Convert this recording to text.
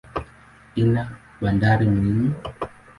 Ina bandari muhimu.